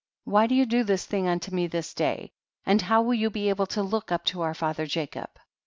why do you do this thing unto me this day, and how will you be able to look up to our father Jacob